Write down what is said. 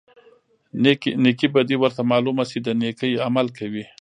نیکې بدي ورته معلومه شي د نیکۍ عمل کوي.